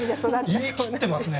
言い切ってますね。